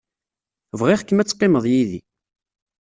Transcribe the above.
Bɣiɣ-kem ad teqqimed yid-i.